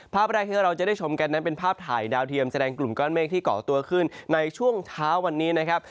ภาพแรกที่เราจะได้ชมกันนั้นเป็นภาพถ่ายดาวเทียมแสดงกลุ่มก้อนเมฆที่เกาะตัวขึ้นในช่วงเช้าวันนี้นะครับ